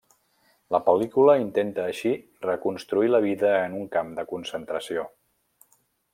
La pel·lícula intenta així reconstituir la vida en un camp de concentració.